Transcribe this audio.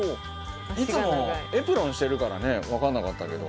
いつもエプロンしてるからねわからなかったけど。